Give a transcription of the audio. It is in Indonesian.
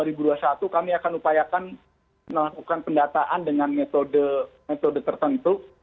tahun dua ribu dua puluh satu kami akan upayakan melakukan pendataan dengan metode tertentu